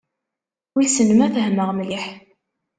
Wissen ma fehmeɣ mliḥ.